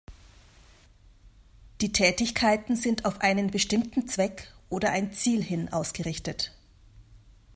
Die Tätigkeiten sind auf einen bestimmten Zweck oder ein Ziel hin ausgerichtet.